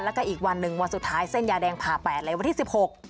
แล้วก็อีกวันหนึ่งวันสุดท้ายเส้นยาแดงผ่าแปดเลยวันที่สิบหก